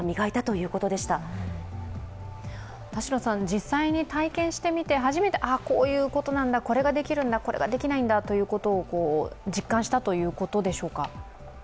実際に体験してみて初めてああ、こういうことなんだこれができるんだ、これができないんだということを実感したということでしょうか。